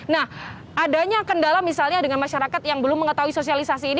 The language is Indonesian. nah adanya kendala misalnya dengan masyarakat yang belum mengetahui sosialisasi ini